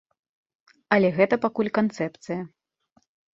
Але гэта пакуль канцэпцыя.